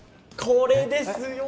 これですよ